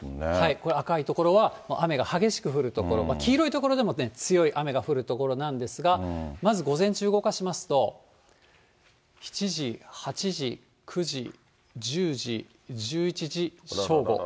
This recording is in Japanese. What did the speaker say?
これ、赤い所は、雨が激しく降る所、黄色い所でも強い雨が降る所なんですが、まず午前中、動かしますと、７時、８時、９時、１０時、１１時、正午。